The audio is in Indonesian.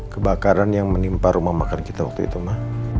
kebakaran yang menimpa rumah makan kita waktu itu mah